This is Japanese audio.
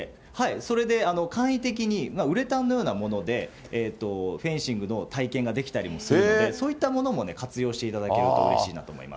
それで簡易的に、ウレタンのようなものでフェンシングの体験ができたりもするので、そういったものもね、活用していただけるとうれしいなと思います。